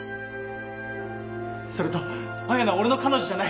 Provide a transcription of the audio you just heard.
それと彩奈は俺の彼女じゃない。